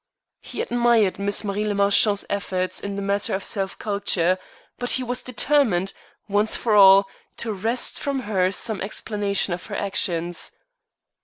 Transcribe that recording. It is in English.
He admired Miss Marie le Marchant's efforts in the matter of self culture, but he was determined, once for all, to wrest from her some explanation of her actions.